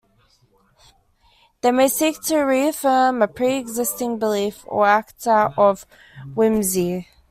They may seek to reaffirm a pre-existing belief, or act out of whimsy.